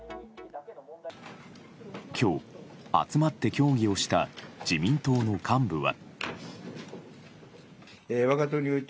今日、集まって協議をした自民党の幹部は。